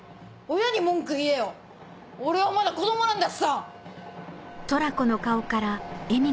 親に文句言えよ俺はまだ子供なんだしさ！